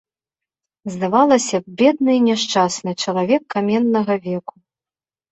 Здавалася б, бедны і няшчасны чалавек каменнага веку.